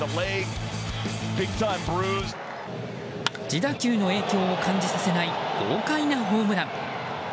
自打球の影響を感じさせない豪快なホームラン。